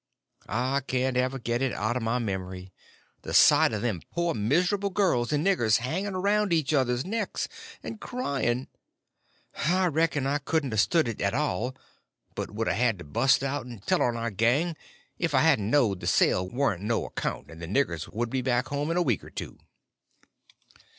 I can't ever get it out of my memory, the sight of them poor miserable girls and niggers hanging around each other's necks and crying; and I reckon I couldn't a stood it all, but would a had to bust out and tell on our gang if I hadn't knowed the sale warn't no account and the niggers would be back home in a week or two.